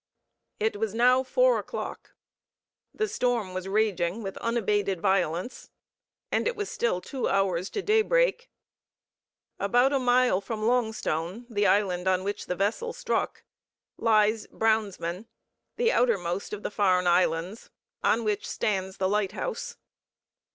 It was now four o'clock; the storm was raging with unabated violence, and it was still two hours to daybreak. About a mile from Longstone, the island on which the vessel struck, lies Brownsman, the outermost of the Farne Islands, on which stands the lighthouse.